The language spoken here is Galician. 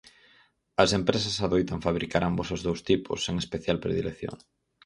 As empresas adoitan fabricar ambos os dous tipos, sen especial predilección.